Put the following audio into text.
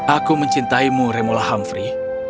aku mencintaimu remola humphrey